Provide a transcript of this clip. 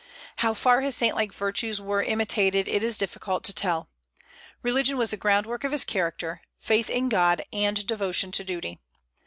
How far his saint like virtues were imitated it is difficult to tell. Religion was the groundwork of his character, faith in God and devotion to duty.